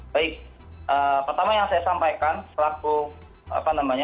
baik pertama yang saya sampaikan selaku apa namanya